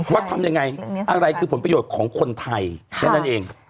ว่าทำยังไงอะไรคือผลประโยชน์ของคนไทยแค่นั้นเอง